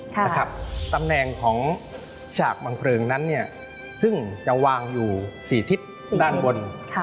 ตำแหน่งของฉากบางเพลิงนั้นเนี่ยซึ่งจะวางอยู่๔ทิศด้านบน